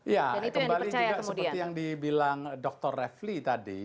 ya kembali juga seperti yang dibilang dr refli tadi